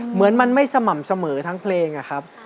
เหมือนมันไม่สม่ำเสมอทั้งเพลงอะครับ